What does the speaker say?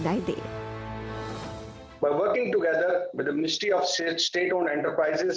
dengan bekerjasama dengan kementerian pembangunan kementerian kesehatan